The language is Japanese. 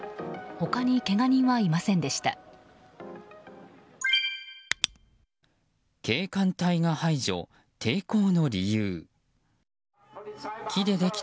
他にけが人はいませんでした。